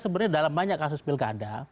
sebenarnya dalam banyak kasus pilkada